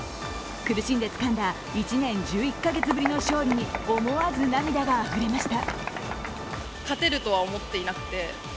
苦しんでつかんだ１年１１カ月ぶりの勝利に思わず涙があふれました。